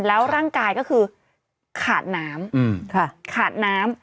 แล้วร่างกายก็คือขาดน้ำ